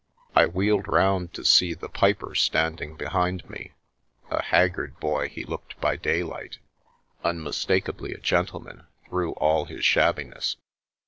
I wheeled round to see the piper standing behind me ; a haggard boy he looked by daylight, unmistakably a gentleman through all his shabbiness.